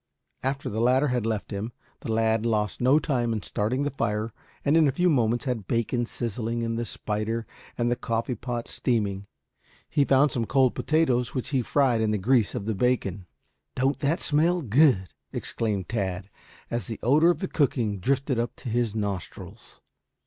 After the latter had left him, the lad lost no time in starting the fire and in a few moments had bacon sizzling in the spider and the coffee pot steaming. He found some cold potatoes which he fried in the grease of the bacon. "Don't that smell good!" exclaimed Tad, as the odor of the cooking drifted up to his nostrils.